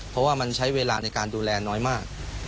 เพราะว่ามันใช้เวลาในการดูแลน้อยมาก